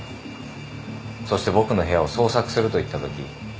そして僕の部屋を捜索すると言ったとき。